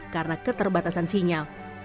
karena keterbatasan sinyal